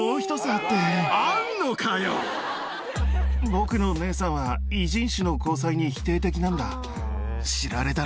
僕の姉さんは異人種の交際に否定的なんだ。